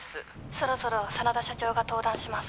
☎そろそろ真田社長が登壇します